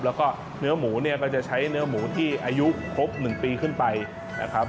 แล้วก็เนื้อหมูเนี่ยก็จะใช้เนื้อหมูที่อายุครบ๑ปีขึ้นไปนะครับ